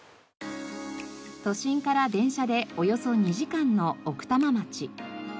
都心から電車でおよそ２時間の奥多摩町。